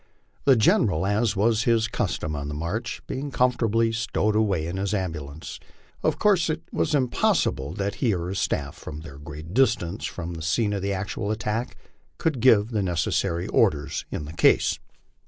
The General, as was his custom on the march, being comfortably stowed awa^ in his ambulance, of course it was impossible that he or his staff, from their great distance from the scene of actual attack, could give the necessary orders in the case.